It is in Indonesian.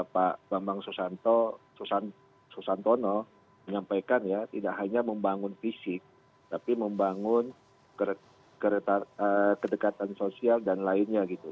pak bambang susanto susantono menyampaikan ya tidak hanya membangun fisik tapi membangun kedekatan sosial dan lainnya gitu